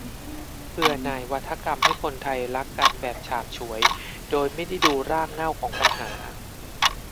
เบื่อหน่ายวาทกรรมให้คนไทยรักกันแบบฉาบฉวยโดยไม่ได้ดูรากเง่าของปัญหา